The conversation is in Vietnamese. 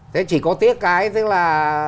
thế chỉ có tiếc cái tức là